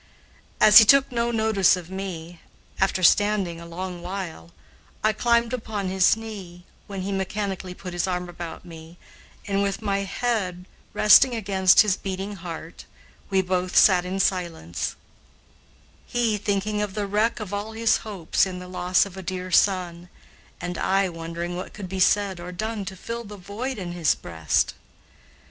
As he took no notice of me, after standing a long while, I climbed upon his knee, when he mechanically put his arm about me and, with my head resting against his beating heart, we both sat in silence, he thinking of the wreck of all his hopes in the loss of a dear son, and I wondering what could be said or done to fill the void in his breast.